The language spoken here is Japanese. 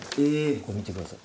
ここ見てください